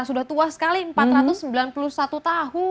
sudah tua sekali empat ratus sembilan puluh satu tahun